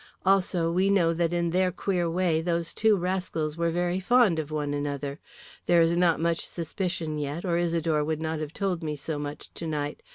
Also we know that in their queer way those two rascals were very fond of one another. There is not much suspicion yet, or Isidore would not have told me so much tonight.